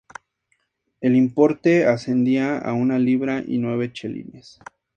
El importe ascendía a una libra y nueve chelines.